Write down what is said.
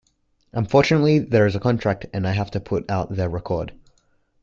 Unfortunately there is a contract and I have to put out their record.